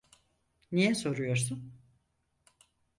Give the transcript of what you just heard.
Niye soruyorsun?